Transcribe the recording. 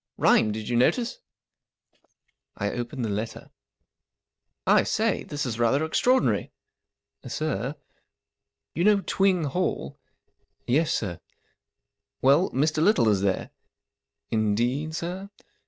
Rhymed, did you notice ?I opened the letter, " I say, this is rather extraordinary." ■* Sir ?:* M You know Twing Hall ?" M Yes, sir/' II Well, Mr. Little is there." 41 Indeed, sir